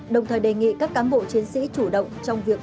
đồng thời đề nghị các cán bộ chiến sĩ chủ động trong việc